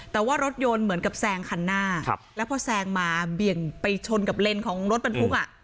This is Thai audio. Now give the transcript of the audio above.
แต่ว่ารถยนต์เหมือนกับแซงคันหน้าแล้วพอแซงมาเบี่ยงไปชนกับเลนของรถบรรทุกอ่ะ